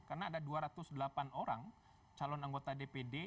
karena ada dua ratus delapan orang calon anggota dpd